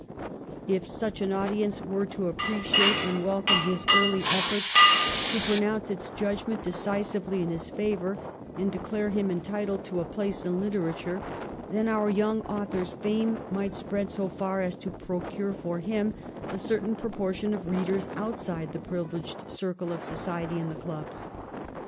If such an audience were to appreciate and welcome his early efforts, to pro nounce its judgment decisively in his favour, and declare him entitled to a place in literature, then our young author's fame might spread so far as to procure for him a certain proportion of readers outside the privileged circle of society and the clubs.